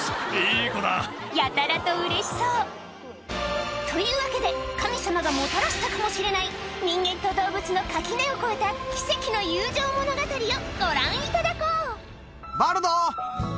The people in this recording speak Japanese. やたらとうれしそうというわけで神様がもたらしたかもしれない人間と動物の垣根を越えた奇跡の友情物語をご覧いただこう